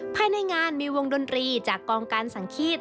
ภายในงานมีวงดนตรีจากกองการสังฆีต